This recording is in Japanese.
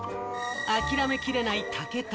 諦めきれない武田。